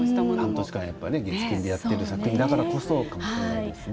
半年間やっぱね月金でやってる作品だからこそかもしれないですね。